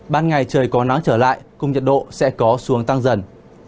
ban ngày trời có nắng trở lại cùng nhiệt độ sẽ có xuống tăng dần